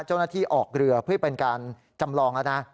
เจ้าหน้าที่ออกเรือเพื่อเป็นการจำลองแล้วนะ